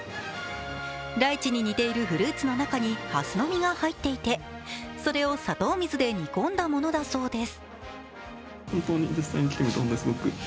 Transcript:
ライチに似ているフルーツの中にはすの実が入っていてそれを砂糖水で煮込んだものだそうです。